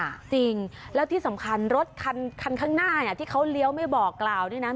จริงแล้วที่สำคัญรถคันคันข้างหน้าที่เขาเลี้ยวไม่บอกกล่าวเนี่ยนะ